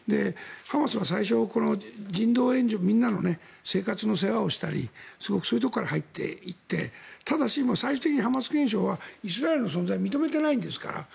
ハマスは最初、人道援助生活の世話をしたりそういうところから入っていってただし、最終的にハマス憲章はイスラエルの存在を認めていないんですから。